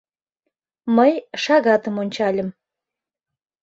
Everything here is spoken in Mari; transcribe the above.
Мый шагатым ончальым.